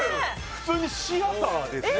普通にシアターですね